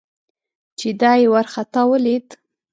چې دای یې ورخطا ولید.